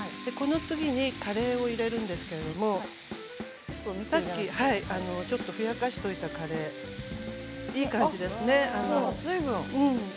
その次にカレーを入れるんですけれどもさっき、ちょっとふやかしておいたカレーいい感じですね。